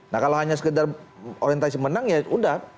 nah kalau hanya sekedar orientasi menang ya udah